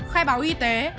khai báo y tế